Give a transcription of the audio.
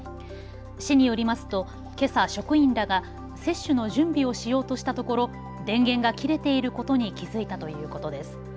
市によりますと、けさ職員らが接種の準備をしようとしたところ電源が切れていることに気付いたということです。